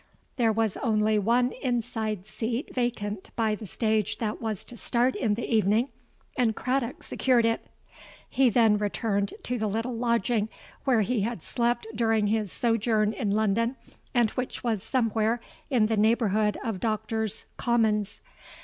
There was only one inside seat vacant by the stage that was to start in the evening; and Craddock secured it. He then returned to the little lodging where he had slept during his sojourn in London, and which was somewhere in the neighbourhood of Doctors' Commons.